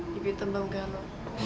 jipi tembeng kayak lo